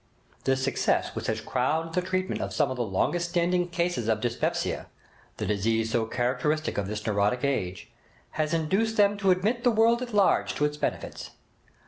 The success which has crowned the treatment of some of the longest standing cases of dyspepsia (the disease so characteristic of this neurotic age), has induced them to admit the world at large to its benefits.